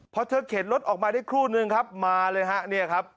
พอเธอเข็นรถออกมาได้ครู่หนึ่งครับมาเลยครับ